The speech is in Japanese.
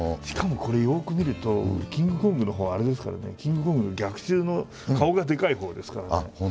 しかもこれよく見るとキングコングのほうはあれですからね「キングコングの逆襲」の顔がでかいほうですからね。